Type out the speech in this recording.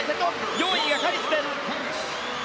４位がカリシュです。